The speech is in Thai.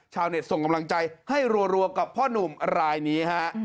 ชาวเน็ตส่งกำลังใจให้รัวกับพ่อหนุ่มรายนี้ฮะ